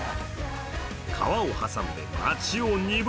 川を挟んで町を二分。